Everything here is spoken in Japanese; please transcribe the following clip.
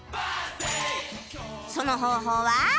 その方法は